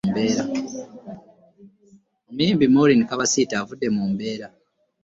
Omuyimbi Moureen Kabasita avudde mu mbeera